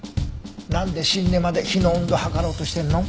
なんで死んでまで火の温度を測ろうとしてるの？